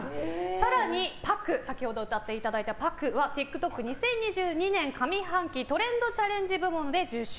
更に、先ほど歌っていただいた「ＰＡＫＵ」はＴｉｋＴｏｋ２０２２上半期トレンドチャレンジ部門で受賞。